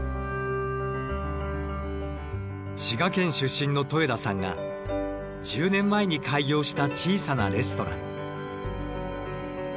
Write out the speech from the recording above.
滋賀県出身の戸枝さんが１０年前に開業した小さなレストラン。